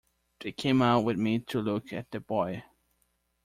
They came out with me to look at the boy.